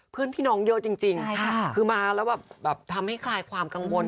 เพื่อนพี่น้องเยอะจริงคือมาแล้วแบบทำให้คลายความกังวล